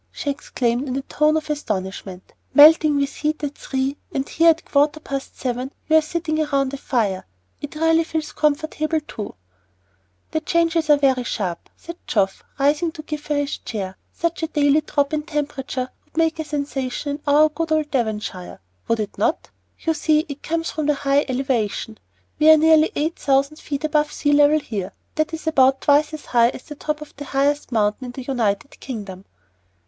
she exclaimed in a tone of astonishment. "Melting with heat at three, and here at a quarter past seven you are sitting round a fire! It really feels comfortable, too!" "The changes are very sharp," said Geoff, rising to give her his chair. "Such a daily drop in temperature would make a sensation in our good old Devonshire, would it not? You see it comes from the high elevation. We are nearly eight thousand feet above the sea level here; that is about twice as high as the top of the highest mountain in the United Kingdom."